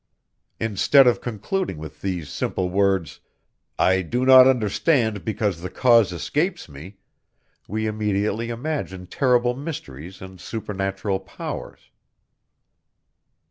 Instead of concluding with these simple words: "I do not understand because the cause escapes me," we immediately imagine terrible mysteries and supernatural powers.